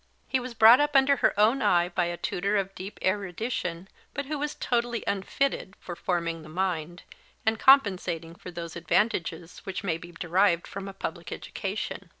He was brought up under her own eye by a tutor of deep erudition, but who was totally unfitted for forming the mind, and compensating for those advantages which may be derived from a public education.